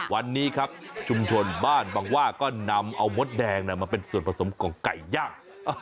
วันนี้ครับชุมชนบ้านบางว่าก็นำเอามดแดงมาเป็นส่วนผสมของไก่ย่าง